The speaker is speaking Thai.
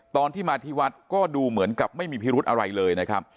ตอนที่มาที่วัดก็ดูเหมือนกับไม่มีพิรุธอะไรเลยนะครับ